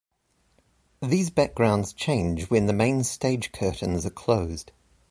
These backgrounds change when the main stage curtains are closed.